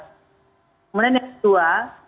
kemudian yang kedua